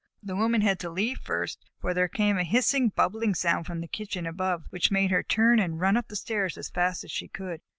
The Woman had to leave first, for there came a hissing, bubbling sound from the kitchen above, which made her turn and run up stairs as fast as she could.